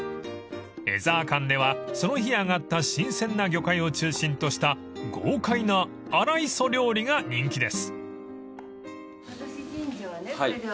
［江澤館ではその日揚がった新鮮な魚介を中心とした豪快な荒磯料理が人気です］